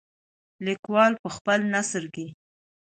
لیکوال په خپل نثر کې.